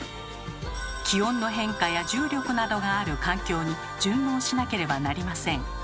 「気温の変化」や「重力」などがある環境に順応しなければなりません。